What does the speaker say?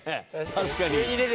確かに」